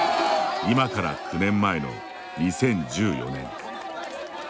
今から９年前の２０１４年。